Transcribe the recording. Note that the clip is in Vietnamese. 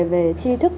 về chi thức